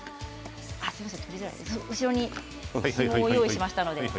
後ろに用意しましたので。